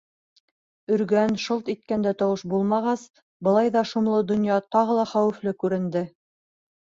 Өргән, шылт иткән дә тауыш булмағас, былай ҙа шомло донъя тағы ла хәүефле күренде.